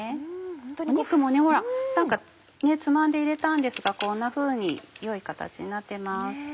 肉もつまんで入れたんですがこんなふうに良い形になってます。